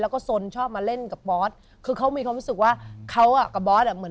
ขอบคุณก่อนครับ